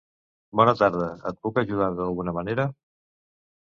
Bona tarda, et puc ajudar d'alguna manera?